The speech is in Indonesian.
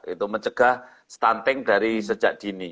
itu mencegah stunting dari sejak dini